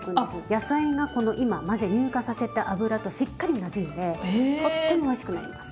野菜がこの今混ぜ乳化させた油としっかりなじんでとってもおいしくなります。